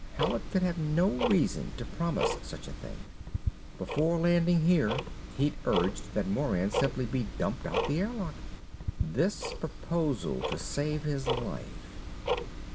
Hallet could have no reason to promise such a thing. Before landing here, he'd urged that Moran simply be dumped out the airlock. This proposal to save his life....